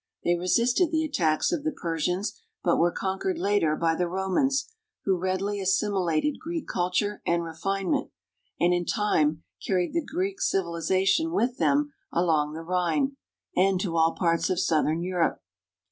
They resisted the attacks of the Per sians, but were conquered later by the Romans, who read ily assimilated Greek culture and refinement, and in time carried the Greek civilization with them along the Rhine, and to all parts of southern Europe.